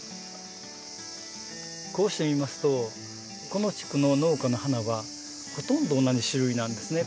こうして見ますとこの地区の農家の花はほとんど同じ種類なんですね。